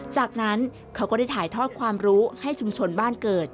จากนั้นเขาก็ได้ถ่ายทอดความรู้ให้ชุมชนบ้านเกิด